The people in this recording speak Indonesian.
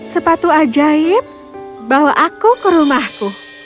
sepatu ajaib bawa aku ke rumahku